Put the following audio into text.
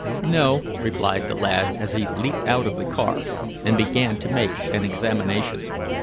"No," replied the lad, as he leaped out of the car, and began to make an examination.